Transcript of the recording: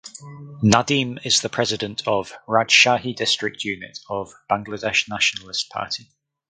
Nadim is the President of Rajshahi District unit of Bangladesh Nationalist Party.